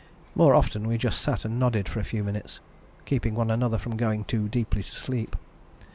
More often we just sat and nodded for a few minutes, keeping one another from going too deeply to sleep.